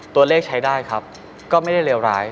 ตัวเลขใช้ได้ครับก็ไม่ได้เลวร้าย